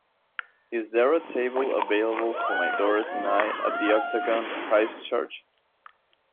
is there a table available for my daughters and I at The Octagon, Christchurch